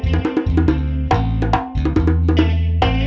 siapa yang berani